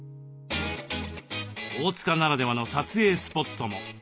大塚ならではの撮影スポットも。